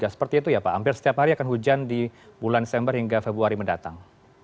seperti itu ya pak hampir setiap hari akan hujan di bulan september hingga februari mendatang